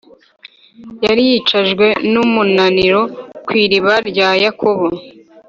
yari yicajwe n’umunaniro kw’iriba rya Yakobo